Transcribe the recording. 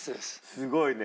すごいね。